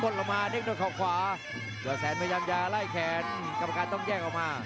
บดลงมาเด็กด้วนคอขวาก็แทรกจะไล่แขนกรรมการต้องแยกออกมา